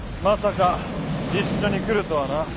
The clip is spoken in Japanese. まさか一緒に来るとはな。